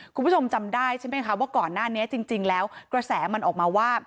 คุณผู้ชมจำได้ใช่ไหมคะว่าก่อนหน้านี้จริงแล้วกระแสมันออกมาว่า